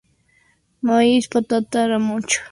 Maíz, patata, remolacha y cereales.